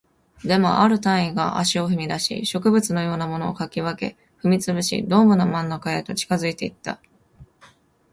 でも、ある隊員が足を踏み出し、植物のようなものを掻き分け、踏み潰し、ドームの真ん中へと近づいていった